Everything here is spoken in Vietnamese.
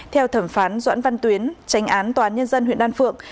theo thẩm phán doãn văn tuyến tránh án tòa án nhân dân huyện đan phượng